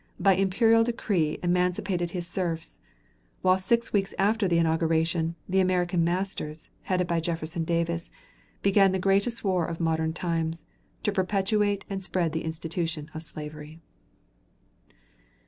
by imperial decree emancipated his serfs; while six weeks after the inauguration, the "American masters," headed by Jefferson Davis, began the greatest war of modern times, to perpetuate and spread the institution of slavery.